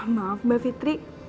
maaf mbak fitri